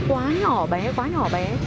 quá nhỏ bé quá nhỏ bé